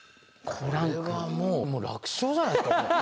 これはもう楽勝じゃないですかこれ。